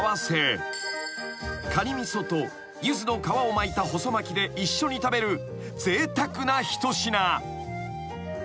［かにみそとユズの皮を巻いた細巻きで一緒に食べるぜいたくな一品］